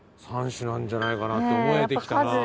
３種なんじゃないかなって思えてきたな。